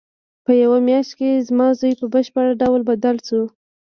په یوه میاشت کې زما زوی په بشپړ ډول بدل شو